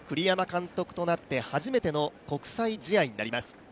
栗山監督となって初めての国際試合となります。